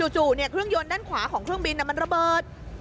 จู่เครื่องยนต์ด้านขวาของเครื่องบินมันระเบิด